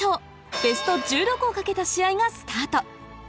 ベスト１６を懸けた試合がスタート